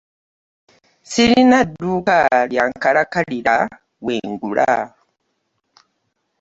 Sirina dduka nkalakkalira we ngula.